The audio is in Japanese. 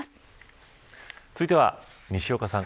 続いては西岡さん